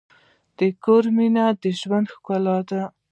د کور مینه د ژوند ښکلا ده.